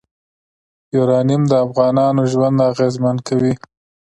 یورانیم د افغانانو ژوند اغېزمن کوي.